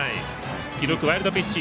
記録ワイルドピッチ。